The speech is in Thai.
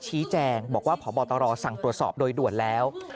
ชี้แจงบอกว่าพบตรสั่งตรวจสอบโดยด่วนแล้ว